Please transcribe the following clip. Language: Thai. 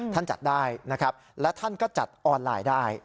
ท่านจัดได้นะครับและท่านก็จัดออนไลน์ได้